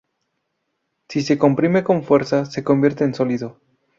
Si se comprime con fuerza, se convierte en sólido.